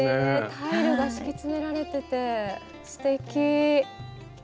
タイルが敷き詰められててすてき。